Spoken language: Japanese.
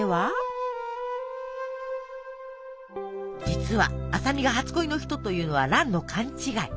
実は麻美が初恋の人というのは蘭の勘違い。